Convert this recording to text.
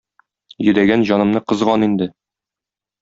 Йөдәгән җанымны кызган инде